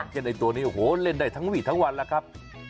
เช่นไอ้ตัวนี้โหเล่นได้ทั้งวิทย์ทั้งวันล่ะครับ